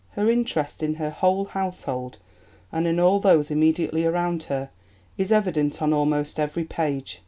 Her interest in her whole household and in all those immediately around her is evident on almost every page.